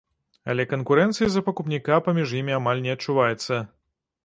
Але канкурэнцыі за пакупніка паміж імі амаль не адчуваецца.